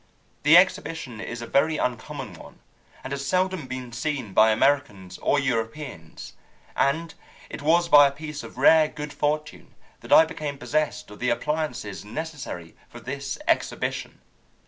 The exhibition is a very uncommon one, and has seldom been seen by Americans or Europeans, and it was by a piece of rare good fortune that I became possessed of the appliances necessary for this exhibition.